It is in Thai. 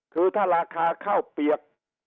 คือถ้าราคาข้าวเปียก